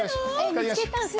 見つけたんすか？